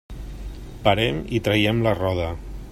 Parem i traiem la roda.